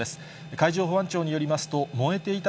海上保安庁によりますと、燃えていた